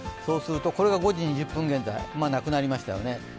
これが５時２０分現在、なくなりましたよね。